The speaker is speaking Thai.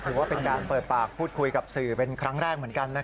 ถือว่าเป็นการเปิดปากพูดคุยกับสื่อเป็นครั้งแรกเหมือนกัน